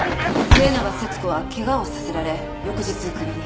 末永節子は怪我をさせられ翌日クビに。